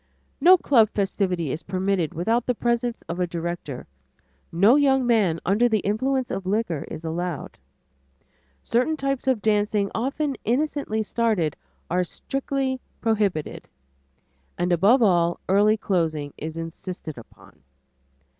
No club festivity is permitted without the presence of a director; no young man under the influence of liquor is allowed; certain types of dancing often innocently started are strictly prohibited; and above all, early closing is insisted upon.